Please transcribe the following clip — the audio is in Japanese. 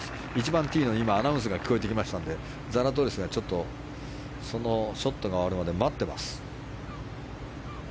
１番ティーのアナウンスが今、聞こえてきましたのでザラトリスがちょっとそのショットが終わるまで待っています。